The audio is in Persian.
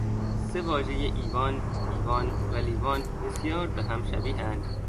سه واژهٔ ایوان، دیوان و لیوان بسیار به هم شبیهاند